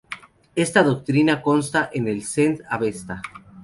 Esta doctrina consta en el "Zend Avesta".